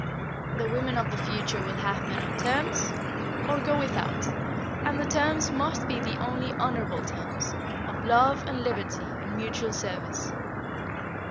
The women of the future will have men on terms, or go without, and the terms must be the only honourable terms, of love and liberty and mutual service.